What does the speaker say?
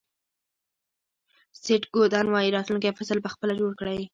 سیټ گودن وایي راتلونکی فصل په خپله جوړ کړئ.